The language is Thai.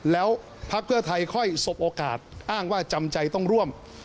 แล้วพักเพื่อไทยค่อยสบโอกาสอ้างว่าจำใจต้องร่วม